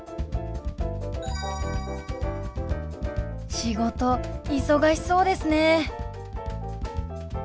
仕事忙しそうですね。